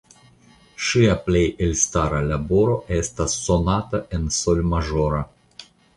Ŝia plej elstara laboro estas Sonato en Sol maĵora.